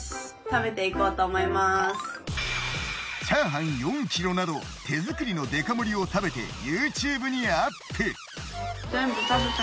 チャーハン４ｋｇなど手作りのデカ盛りを食べてＹｏｕＴｕｂｅにアップ。